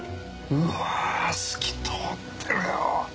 うわ透き通ってるよ。